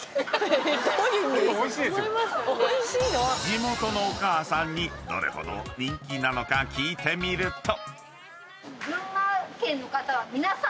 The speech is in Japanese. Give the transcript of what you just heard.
［地元のお母さんにどれほど人気なのか聞いてみると］